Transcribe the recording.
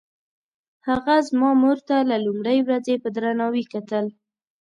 هغه زما مور ته له لومړۍ ورځې په درناوي کتل.